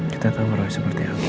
kita tahu merawat seperti apa